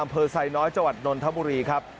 อำเภอไซน้อยจวัดนนทบุรีครับ